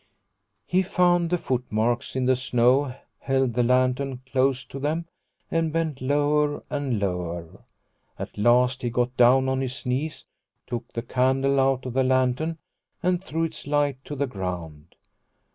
He found the foot marks in the snow, held the lantern close to them, and bent lower and lower. At last he got down on his knees, took the candle out of the lantern, and threw its light to the ground.